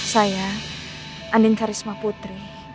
saya andin karisma putri